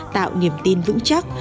tạo niềm tin vững chắc